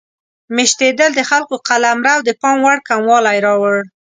میشتېدل د خلکو قلمرو د پام وړ کموالی راوړ.